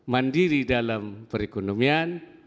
mandiri dalam perekonomian